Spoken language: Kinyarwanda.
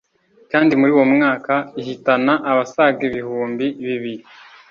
kandi muri uwo mwaka ihitana abasaga ibihumbi bibiri